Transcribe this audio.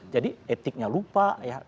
jadi etiknya lupa